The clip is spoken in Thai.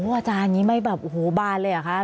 อาจารย์นี้ไม่แบบโอ้โหบ้านเลยหรือคะ